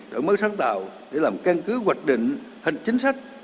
đổi mới sáng tạo để làm căn cứ hoạch định hình chính sách